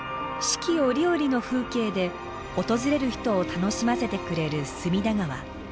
四季折々の風景で訪れる人を楽しませてくれる隅田川。